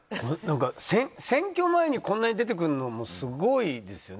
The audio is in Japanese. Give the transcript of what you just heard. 選挙前にこんなに出てくるのもすごいですよね。